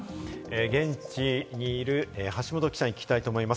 現地にいる橋本記者に聞きたいと思います。